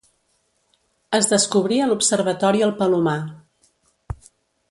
Es descobrí a l'observatori el Palomar.